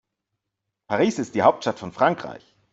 Paris ist die Hauptstadt von Frankreich.